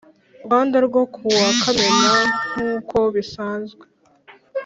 Rwanda ryo ku wa Kamena nk uko bisanzwe